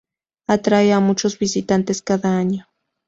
Atrae a muchos visitantes cada año.